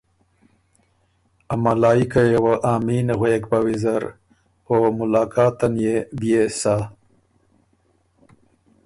ا ملایِکئ یه وه آمین غوېک بَۀ ویزر او ملاقاتن يې بيې سَۀ۔